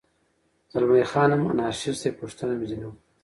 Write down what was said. زلمی خان هم انارشیست دی، پوښتنه مې ځنې وکړل.